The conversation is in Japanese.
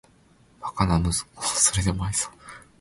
バカな息子をーーーーそれでも愛そう・・・